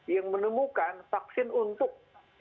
yang menemukan vaksin untuk